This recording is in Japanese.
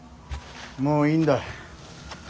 もういいんだ。